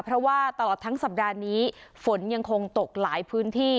เพราะว่าตลอดทั้งสัปดาห์นี้ฝนยังคงตกหลายพื้นที่